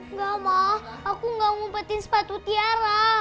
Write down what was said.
enggak ma aku gak ngumpetin sepatu tiara